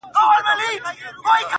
د قلمونو کتابونو کیسې!!